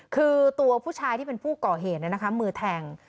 คือตัวผู้ชายที่เป็นผู้ก่อเหตุเนี่ยนะคะมือแทง